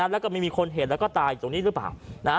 แล้วก็ไม่มีคนเห็นแล้วก็ตายตรงนี้หรือเปล่า